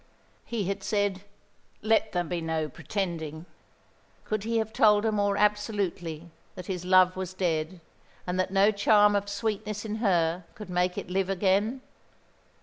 He had said, "Let there be no pretending." Could he have told her more absolutely that his love was dead, and that no charm of sweetness in her could make it live again?